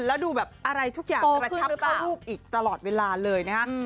แล้วดูแบบอะไรทุกอย่างกระชับเข้ารูปอีกตลอดเวลาเลยนะฮะ